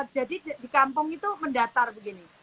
jadi di kampung itu mendatar begini